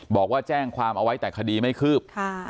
บอกว่าแจ้งความเอาไว้แต่คดีไม่คืบ